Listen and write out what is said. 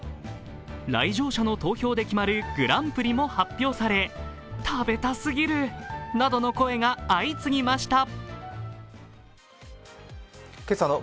来場者の投票で決まるグランプリも発表され、食べたすぎるなどの声が相次ぎました。